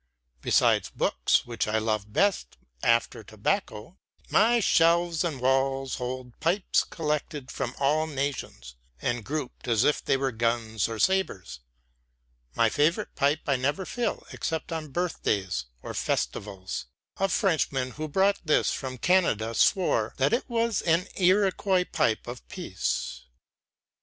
Besides books, which I love best after tobacco, my shelves and walls hold pipes collected from all nations, and grouped as if they were guns or sabres. My favorite pipe I never fill except on birthdays or festivals. A Frenchman who brought this from Canada swore that it was an Iroquois pipe of peace.